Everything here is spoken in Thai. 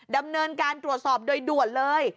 ดำเนินการตรวจสอบโดยด่วนเลย